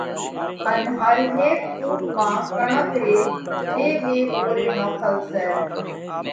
ان هر هيڪ اُونٺ مانه ڪڻڪ ري ٻي ٻي ٻوري نوکل سئہ۔